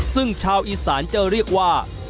ซึ่งชาวอีสานจะเรียกว่า